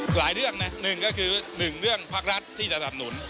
หลายเรื่องนะหนึ่งก็คือ๑เรื่องภาครัฐที่จะสนับหนุน